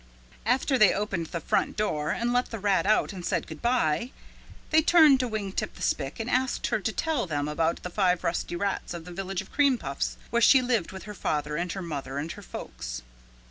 After they opened the front door and let the rat out and said good by, they turned to Wing Tip the Spick and asked her to tell them about the five rusty lucky rats of the Village of Cream Puffs where she lived with her father and her mother and her folks.